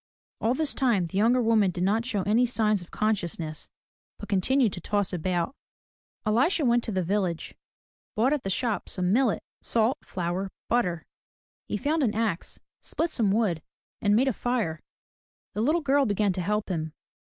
All this time the younger woman did not show any signs of consciousness but continued to toss about. Elisha went to the village, bought at the shop some millet, salt, flour, butter. He found an axe, split some wood, and made a fire. The little girl began to help him.